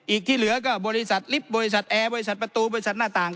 อีกที่เหลือก็บริษัทลิฟต์บริษัทแอร์บริษัทประตูบริษัทหน้าต่าง